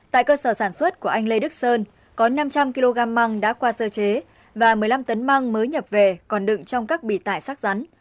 tại cơ sở sản xuất của anh lê đức sơn có năm trăm linh kg măng đã qua sơ chế và một mươi năm tấn măng mới nhập về còn đựng trong các bị tải sắc rắn